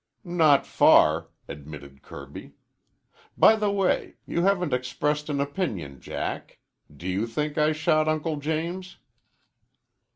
"Not far," admitted Kirby. "By the way, you haven't expressed an opinion, Jack. Do you think I shot Uncle James?"